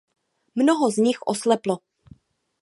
Mnoho z nich osleplo.